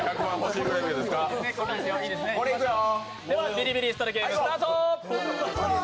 「ビリビリ椅子取りゲーム」スタート！